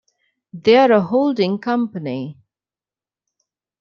They're a holding company.